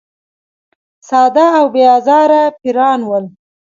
ساده او بې آزاره پیران ول.